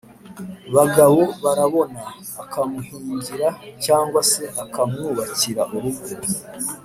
, Bagabobarabona akamuhingira cyangwa se akamwubakira urugo.